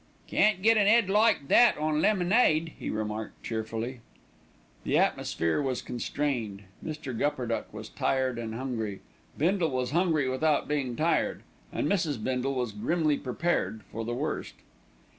"Can't get an 'ead like that on lemonade," he remarked cheerfully. The atmosphere was constrained. Mr. Gupperduck was tired and hungry, Bindle was hungry without being tired, and Mrs. Bindle was grimly prepared for the worst.